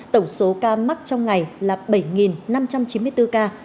tổng số ca mắc trong ngày là bảy năm trăm chín mươi bốn ca